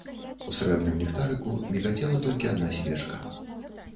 У срэбным ліхтарыку мігацела толькі адна свечка.